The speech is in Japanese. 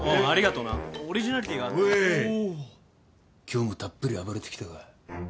今日もたっぷり暴れてきたか？